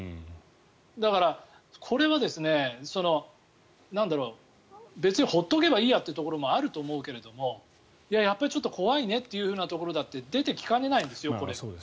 だから、これは別に放っておけばいいやというところもあると思うけれどもいや、やっぱりちょっと怖いねというところだって出てきかねないんですよ、これ。